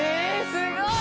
すごい。